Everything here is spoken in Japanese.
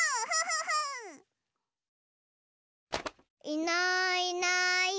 いないいない。